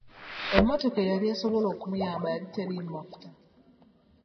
Emmotoka eyali esobola okumuyamba yali teriimu mafuta.